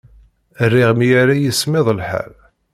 Riɣ mi ara yismiḍ lḥal.